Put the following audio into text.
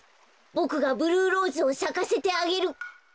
ボクがブルーローズをさかせてあげる！